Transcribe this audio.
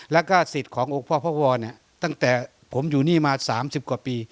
และสิทธิ์ของพ่อพะววตั้งแต่ผมอยู่นี่มา๓๐กว่าปี